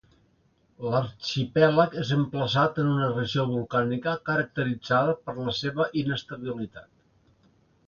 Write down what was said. L'arxipèlag és emplaçat en una regió volcànica caracteritzada per la seva inestabilitat.